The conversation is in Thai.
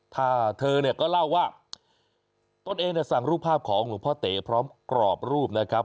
ถ้าเธอเนี่ยก็เล่าว่าตนเองเนี่ยสั่งรูปภาพของหลวงพ่อเต๋พร้อมกรอบรูปนะครับ